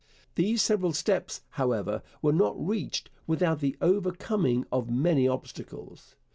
These several steps, however, were not reached without the overcoming of many obstacles.